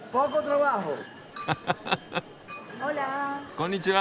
こんにちは。